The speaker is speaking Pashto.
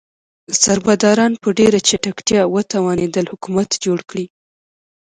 سربداران په ډیره چټکتیا وتوانیدل حکومت جوړ کړي.